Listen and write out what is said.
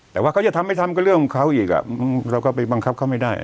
แต่ว่าเขาจะทำไม่ทำก็เรื่องของเขาอีกเราก็ไปบังคับเขาไม่ได้